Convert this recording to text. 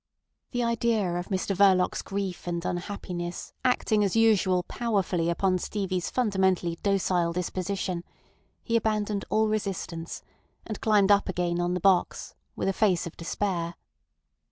The idea of Mr Verloc's grief and unhappiness acting as usual powerfully upon Stevie's fundamentally docile disposition, he abandoned all resistance, and climbed up again on the box, with a face of despair.